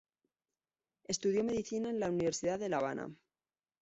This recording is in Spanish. Estudió medicina en la Universidad de La Habana.